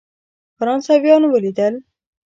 فرانسویان ولیدل.